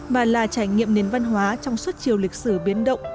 mà là trải nghiệm nền văn hóa trong suốt chiều lịch sử biến động